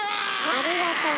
ありがとね。